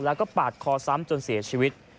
แล้วก็ปาดคอซ้ำจนเสียชีวิต